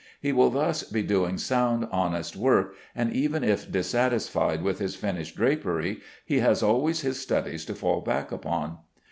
He will thus be doing sound, honest work, and, even if dissatisfied with his finished drapery, he has always his studies to fall back upon.